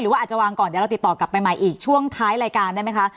ว่าอาจจะวางก่อนเดี๋ยวเราติดต่อกลับไปใหม่อีกช่วงท้ายรายการได้ไหมคะ